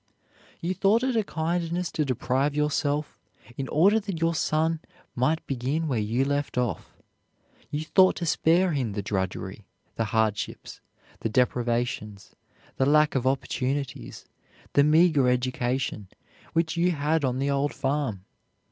You thought it a kindness to deprive yourself in order that your son might begin where you left off. You thought to spare him the drudgery, the hardships, the deprivations, the lack of opportunities, the meager education, which you had on the old farm.